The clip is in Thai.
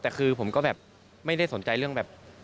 แต่คือผมก็แบบไม่ได้สนใจเรื่องแบบ